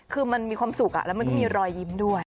คือมันมีความสุขแล้วมันก็มีรอยยิ้มด้วย